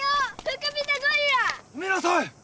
止めなさい！